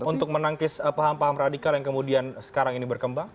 untuk menangkis paham paham radikal yang kemudian sekarang ini berkembang